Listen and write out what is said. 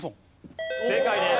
正解です。